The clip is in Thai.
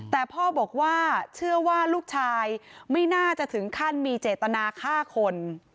แต่พ่อบอกว่าเชื่อว่าลูกชายไม่น่าจะถึงขั้นมีเจตนาฆ่าคน